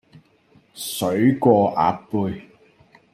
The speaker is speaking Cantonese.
水過鴨背